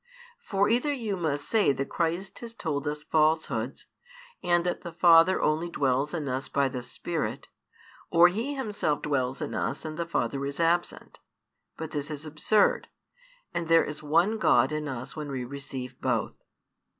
For either you must say that Christ has told us falsehoods, and that the Father only dwells in us by the Spirit, or He Himself dwells in us and the Father is absent. But this is absurd, and there is one God in us when we receive both.